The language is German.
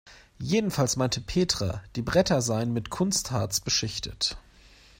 Jedenfalls meinte Petra, die Bretter seien mit Kunstharz beschichtet.